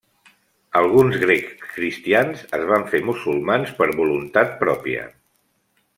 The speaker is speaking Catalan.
Alguns grecs cristians es van fer musulmans per voluntat pròpia.